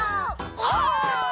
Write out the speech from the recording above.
お！